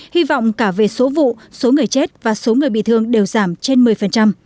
hy vọng cả về số vụ số người chết và số người bị thương đều giảm trên một mươi